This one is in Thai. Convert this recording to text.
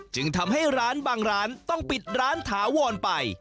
จึงทำให้ร้านบางร้านต้องปิดร้านถาวรไป